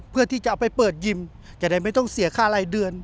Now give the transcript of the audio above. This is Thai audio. เพื่อที่จะเอาไปเปิดยิมจะได้ไม่ต้องเสียค่ารายเดือน